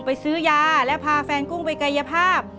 ไปซื้อยาและพาแฟนกุ้งไปกายภาพ